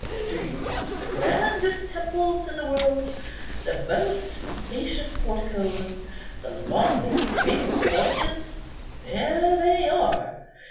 Do you want the grandest temples in the world, the most spacious porticoes, the longest racecourses? there they are.